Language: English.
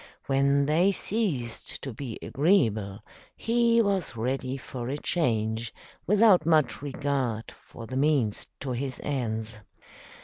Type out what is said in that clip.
When they ceased to be agreeable, he was ready for a change, without much regard for the means to his ends.